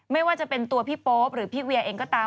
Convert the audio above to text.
ไม่ว่าจะเป็นตัวพี่โป๊ปหรือพี่เวียเองก็ตาม